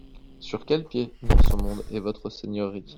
Sur quel pied, dans ce monde, est Votre Seigneurie ?